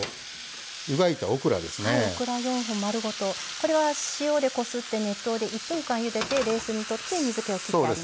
これは塩でこすって熱湯で１分間ゆでて冷水にとって水けをきってあります。